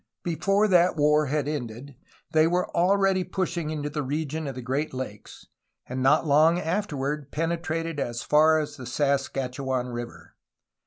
Before that war had ended they were already pushing into the region of the Great Lakes, and not long afterward penetrated as far as the Saskatchewan River.